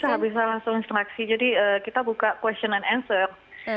bisa bisa langsung interaksi jadi kita buka question and answer